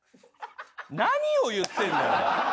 何を言ってんだよ。